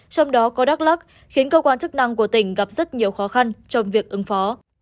trong đó có đắk lắc khiến cơ quan chức năng của tỉnh gặp rất nhiều khó khăn trong việc ứng phó